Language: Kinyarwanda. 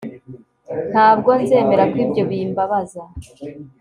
ntabwo nzemera ko ibyo bimbabaza